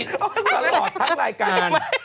ตลอดถ้างรายการ